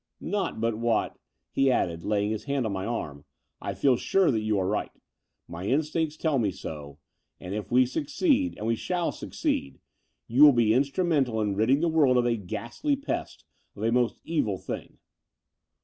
"Not but what," he added, laying his hand on my arm, "I feel sure that you are right. My in stinct tells me so; and, if we succeed — ^and we shall U succeed — you will be instrtimental in ridding the world of a ghastly pest, of a most evil thing."